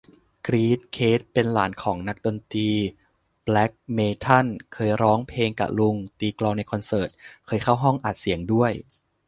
กรี๊ด เคท เป็นหลานของนักดนตรีแบล็คเมทัล เคยร้องเพลงกะลุง ตีกลองในคอนเสิร์ต เคยเข้าห้องอัดเสียงด้วย